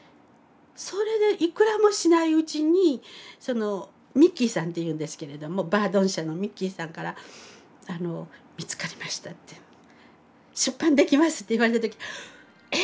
それでいくらもしないうちにミッキーさんというんですけれどもバードン社のミッキーさんから「見つかりました」って「出版できます」って言われた時え